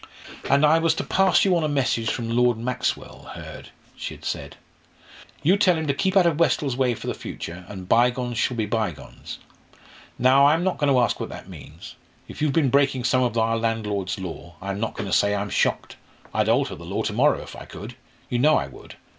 "And I was to pass you on a message from Lord Maxwell, Hurd," she had said: "'You tell him to keep out of Westall's way for the future, and bygones shall be bygones.' Now, I'm not going to ask what that means. If you've been breaking some of our landlords' law, I'm not going to say I'm shocked. I'd alter the law to morrow, if I could! you know I would.